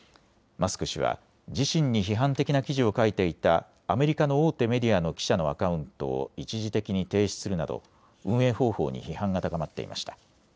マスク氏は自身に批判的な記事を書いていたアメリカの大手メディアの記者のアカウントを一時的に停止するなど運営方法に批判が高まっていました。